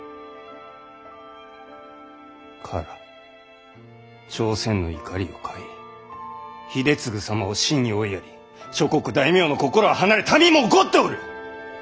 唐朝鮮の怒りを買い秀次様を死に追いやり諸国大名の心は離れ民も怒っておる！